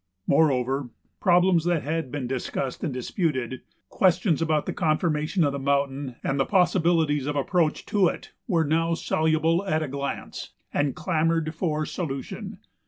Moreover, problems that had been discussed and disputed, questions about the conformation of the mountain and the possibilities of approach to it, were now soluble at a glance and clamored for solution.